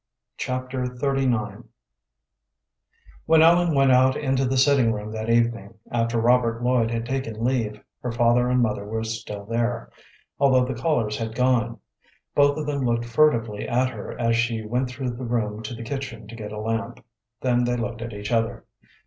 Chapter XXXIX When Ellen went out into the sitting room that evening, after Robert Lloyd had taken leave, her father and mother were still there, although the callers had gone. Both of them looked furtively at her as she went through the room to the kitchen to get a lamp, then they looked at each other.